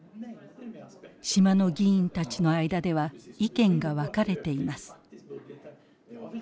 島の議員たちの間では意見が分かれています。